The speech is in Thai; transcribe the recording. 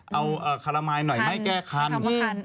เอาเอ่อคาระมายหน่อยไม่แก้คันคันคันอืม